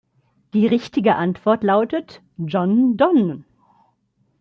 Die richtige Antwort lautet John Donne.